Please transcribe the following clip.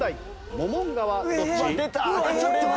モモンガはどっち？